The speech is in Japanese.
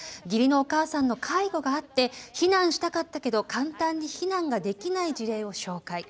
義理のお母さんの介護があって避難したかったけど簡単に避難ができない事例を紹介。